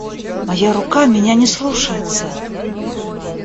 Моя рука меня не слушается!